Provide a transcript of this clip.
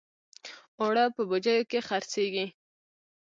اوړه په بوجیو کې خرڅېږي